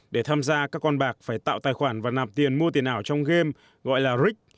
để tham gia các con bạc phải tạo tài khoản và nạp tiền mua tiền ảo trong game gọi là rick